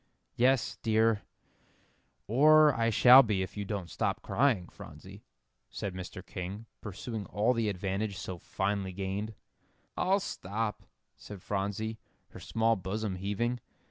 "Yes, dear; or I shall be if you don't stop crying, Phronsie," said Mr. King, pursuing all the advantage so finely gained. "I'll stop," said Phronsie, her small bosom heaving.